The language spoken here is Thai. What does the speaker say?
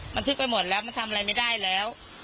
บันทึกไปหมดแล้วมันทำอะไรไม่ได้แล้ว